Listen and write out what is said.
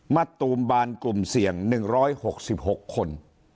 ตูมบานกลุ่มเสี่ยง๑๖๖คน